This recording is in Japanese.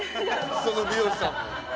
その美容師さんも。